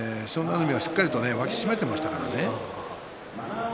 海がしっかりと脇を締めていましたからね。